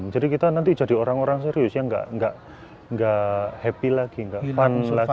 jadi kita nanti jadi orang orang serius yang nggak happy lagi nggak fun lagi